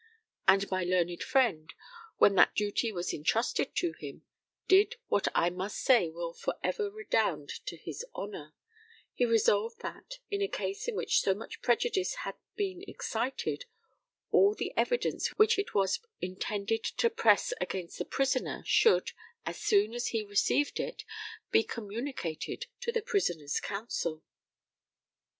And my learned friend, when that duty was intrusted to him, did what I must say will for ever redound to his honour he resolved that, in a case in which so much prejudice had been excited, all the evidence which it was intended to press against the prisoner should, as soon as he received it, be communicated to the prisoner's counsel.